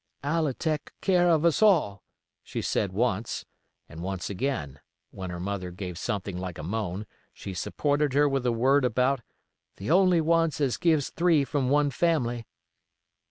"I'll a teck care o' us all," she said once; and once again, when her mother gave something like a moan, she supported her with a word about "the only ones as gives three from one family."